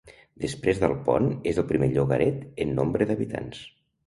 Després d'Alpont és el primer llogaret en nombre d'habitants.